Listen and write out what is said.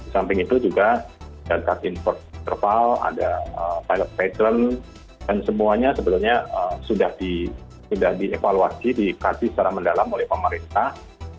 samping itu juga data informal ada pilot pattern dan semuanya sebenarnya sudah dievaluasi dikaji secara mendalam oleh pemerintah